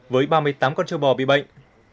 với ba mươi tám con châu bò bị bệnh